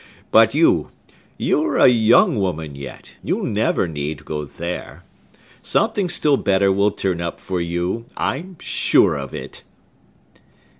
But you,—you're a young woman yet,—you never need go there! Something still better will turn up for you. I'm sure of it!"